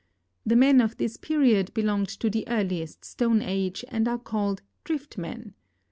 The men of this period belong to the earliest Stone Age, and are called " Drift men."